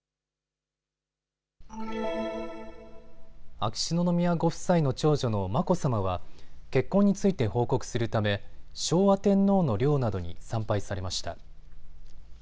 秋篠宮ご夫妻の長女の眞子さまは結婚について報告するため昭和天皇の陵などに参拝されました。